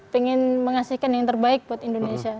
pengen mengasihkan yang terbaik buat indonesia